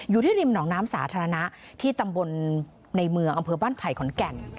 ริมหนองน้ำสาธารณะที่ตำบลในเมืองอำเภอบ้านไผ่ขอนแก่น